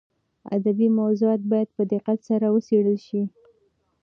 ادبي موضوعات باید په دقت سره وڅېړل شي.